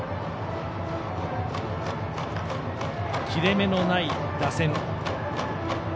切れ目のない打線。